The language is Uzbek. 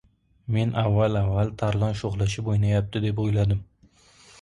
Men avval-avval, Tarlon sho‘xlashib o‘ynayapti, deb o‘yladim.